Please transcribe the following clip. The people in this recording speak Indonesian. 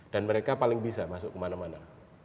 dan mereka paling bisa masuk kemana mana